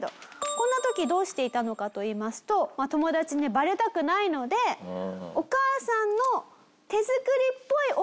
こんな時どうしていたのかといいますと友達にバレたくないのでお母さんの手作りっぽいお弁当を自分で作ってました。